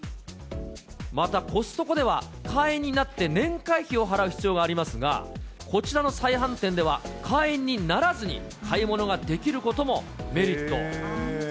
またコストコでは、会員になって年会費を払う必要がありますが、こちらの再販店では、会員にならずに買い物ができることもメリット。